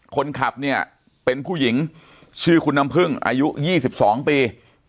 คนขับเนี่ยเป็นผู้หญิงชื่อคุณน้ำพึ่งอายุ๒๒ปี